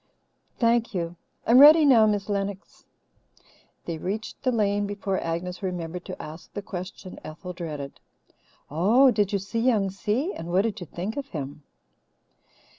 Thank you. I'm ready now, Miss Lennox." They reached the lane before Agnes remembered to ask the question Ethel dreaded. "Oh, did you see Young Si? And what do you think of him?"